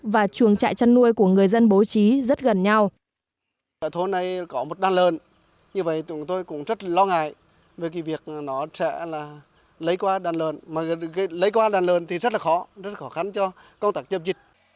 và chuồng trại chăn nuôi của người dân bố trí rất gần nhau